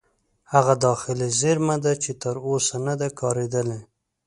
هغه داخلي زیرمه ده چې تر اوسه نه ده کارېدلې.